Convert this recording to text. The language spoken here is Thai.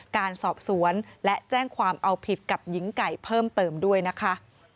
การสอบสวนและแจ้งความเอาผิดกับหญิงไก่เพิ่มเติมด้วยนะคะ